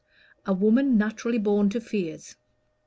"A woman naturally born to fears."